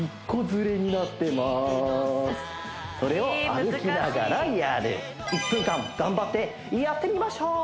難しいそれを歩きながらやる１分間頑張ってやってみましょう！